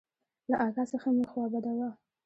له اکا څخه مې خوا بده وه.